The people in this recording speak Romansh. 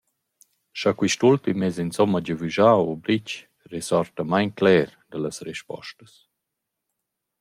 Scha quist ultim es insomma giavüschà o brich resorta main cler da las respostas.